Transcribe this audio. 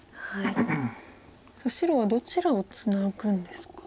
さあ白はどちらをツナぐんですか。